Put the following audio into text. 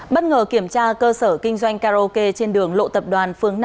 bất ngờ kiểm tra cơ sở kinh doanh karaoke trên đường lộ tập đoàn phương năm